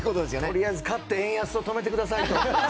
とりあえず勝って円安を止めてください。